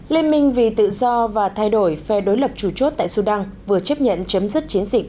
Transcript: liên minh vì tự do và thay đổi phe đối lập chủ chốt tại sudan vừa chấp nhận chấm dứt chiến dịch